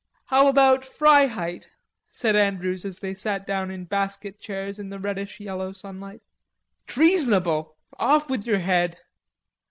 "How about Freiheit?" said Andrews, as they sat down in basket chairs in the reddish yellow sunlight. "Treasonable... off with your head."